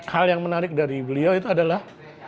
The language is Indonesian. hal yang menarik dari beliau itu adalah